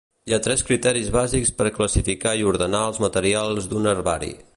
Hi ha tres criteris bàsics per classificar i ordenar els materials d'un herbari.